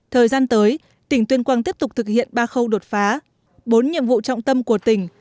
thời gian tới tỉnh tuyên quang tiếp tục thực hiện ba khâu đột phá bốn nhiệm vụ trọng tâm của tỉnh